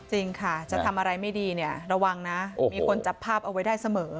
จริงค่ะจะทำอะไรไม่ดีเนี่ยระวังนะมีคนจับภาพเอาไว้ได้เสมอ